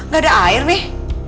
gak ada air nih